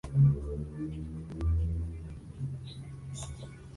La cinta cuenta la huida de dos jóvenes marginales.